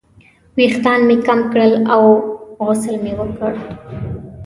ویښتان مې کم کړل او غسل مې وکړ.